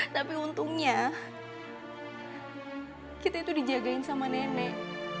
tapi untungnya kita itu dijagain sama nenek